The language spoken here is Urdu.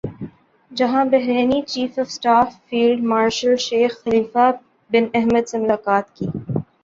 جہاں بحرینی chief of staff field marshal Sheikh Khalifa bin Ahmed سے ملاقات کی